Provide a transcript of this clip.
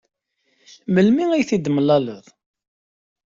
Melmi i tt-id-temlaleḍ?